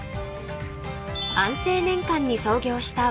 ［安政年間に創業した］